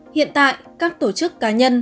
hiện tại các tổ chức cá nhân